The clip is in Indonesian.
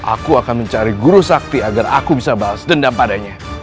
aku akan mencari guru sakti agar aku bisa balas dendam padanya